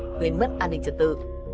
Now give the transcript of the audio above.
nguyên mất an ninh trật tự